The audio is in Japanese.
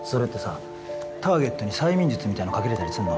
（ターゲットに催眠術みたいのかけれたりすんの？